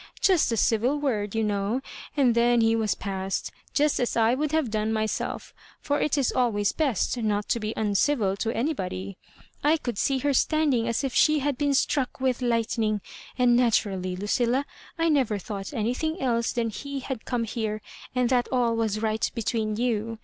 Just a civil word, you know, and then he was past. Just as I would have done myself ; for it is always best not to be uncivil to anybody. I tould see her standing as if she had been struck with lightning; and na turally, Lucilla, I never thought anything else than that he had come here, and that aU was right between you.